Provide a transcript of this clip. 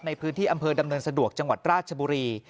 ในพื้นที่อำเภอดำเนินสะดวกจังหวัดราชบุรี